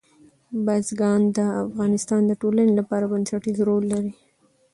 بزګان د افغانستان د ټولنې لپاره بنسټیز رول لري.